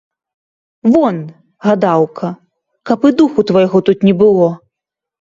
Вон, гадаўка, каб і духу твайго тут не было.